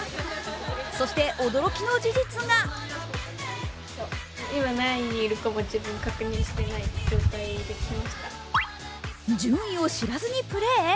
そして、驚きの事実が順位を知らずにプレー！？